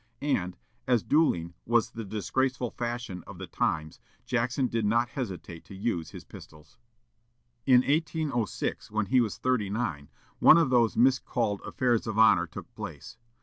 And, as duelling was the disgraceful fashion of the times, Jackson did not hesitate to use his pistols. In 1806, when he was thirty nine, one of those miscalled "affairs of honor" took place.